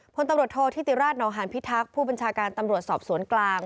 พลตำรวจโทษธิติราชนองหานพิทักษ์ผู้บัญชาการตำรวจสอบสวนกลาง